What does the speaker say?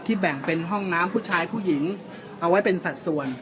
แบ่งเป็นห้องน้ำผู้ชายผู้หญิงเอาไว้เป็นสัดส่วน